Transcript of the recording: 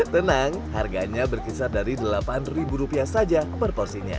tenang harganya berkisar dari delapan rupiah saja proporsinya